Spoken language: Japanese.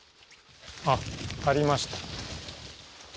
あっありました。